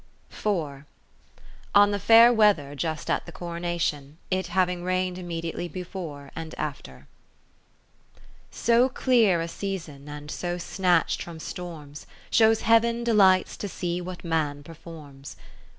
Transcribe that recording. On the Fair Weather just at the Coronation, it havino; rained immediately before and after So clear a season, and so snatch'd from storms, Shows Heav'n delights to see what man performs.